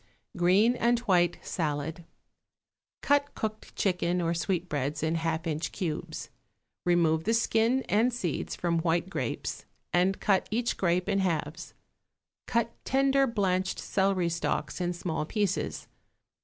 =Green and White Salad.= Cut cooked chicken or sweetbreads in half inch cubes; remove the skin and seeds from white grapes, and cut each grape in halves; cut tender blanched celery stalks in small pieces.